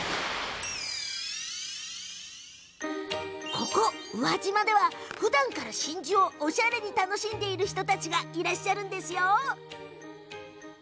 ここ宇和島ではふだんから真珠をおしゃれに楽しんでいる人たちがいらっしゃいます。